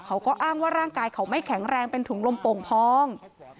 เขาก็อ้างว่าร่างกายเขาไม่แข็งแรงเป็นถุงลมโป่งพอง